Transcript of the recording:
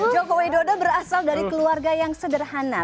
jokowi dodo berasal dari keluarga yang sederhana